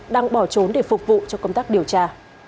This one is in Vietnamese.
đang bỏ trốn để phục vụ cho công tác điều tra